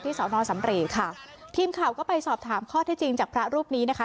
สอนอสำเรย์ค่ะทีมข่าวก็ไปสอบถามข้อที่จริงจากพระรูปนี้นะคะ